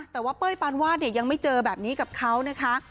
แต่ว่าเป้ยปานวาดเนี่ยยังไม่เจอแบบนี้กับเขานะคะ